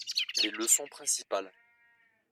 Les leçons principales.